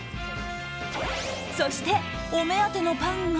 そして、お目当てのパンが。